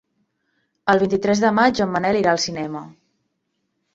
El vint-i-tres de maig en Manel irà al cinema.